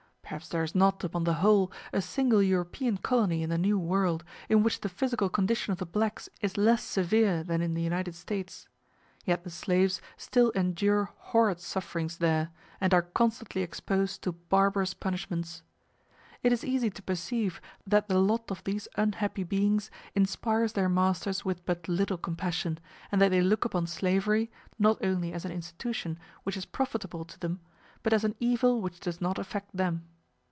Perhaps there is not, upon the whole, a single European colony in the New World in which the physical condition of the blacks is less severe than in the United States; yet the slaves still endure horrid sufferings there, and are constantly exposed to barbarous punishments. It is easy to perceive that the lot of these unhappy beings inspires their masters with but little compassion, and that they look upon slavery, not only as an institution which is profitable to them, but as an evil which does not affect them.